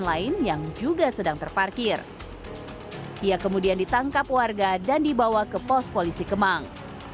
lain yang juga sedang terparkir ia kemudian ditangkap warga dan dibawa ke pos polisi kemang